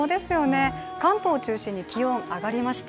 関東を中心に気温が上がりました。